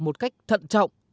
một cách thận trọng